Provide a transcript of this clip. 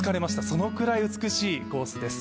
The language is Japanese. そのぐらい美しいコースです。